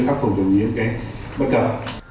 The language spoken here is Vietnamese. khắc phục được những bất cẩn